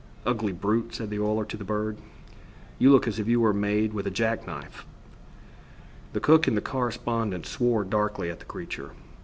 "Ugly brute," said the oiler to the bird. "You look as if you were made with a jack knife." The cook and the correspondent swore darkly at the creature.